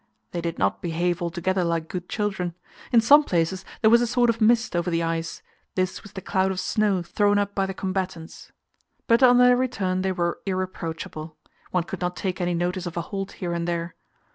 They did not behave altogether like good children. In some places there was a sort of mist over the ice; this was the cloud of snow thrown up by the combatants. But on their return they were irreproachable; one could not take any notice of a halt here and there.